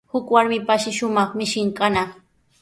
Huk warmipashi shumaq mishin kanaq.